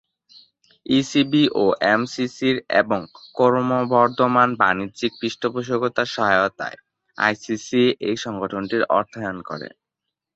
ECB ও এমসিসির এবং ক্রমবর্ধমান বাণিজ্যিক পৃষ্ঠপোষকতার সহায়তায় আইসিসি এই সংগঠনটির অর্থায়ন করে।